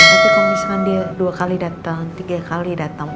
tapi kalau misalkan dia dua kali datang tiga kali datang